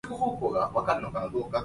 人濟話就濟